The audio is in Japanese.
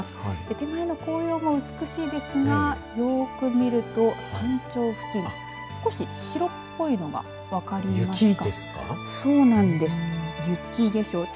手前の紅葉も美しいですがよく見ると、山頂付近少し白っぽいのが分かりますか。